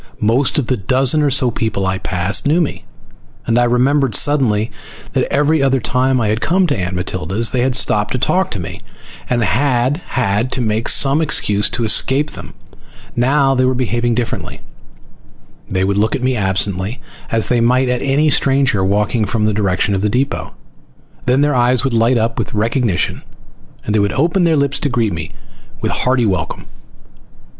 Most of the dozen or so people I passed knew me, and I remembered suddenly that every other time I had come to Aunt Matilda's they had stopped to talk with me and I had had to make some excuse to escape them. Now they were behaving differently. They would look at me absently as they might at any stranger walking from the direction of the depot, then their eyes would light up with recognition and they would open their lips to greet me with hearty welcome.